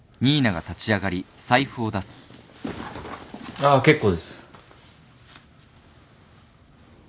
ああ結構です。